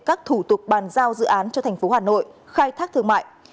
các thủ tục bàn giao dự án cho thành phố hà nội khai thác thương mại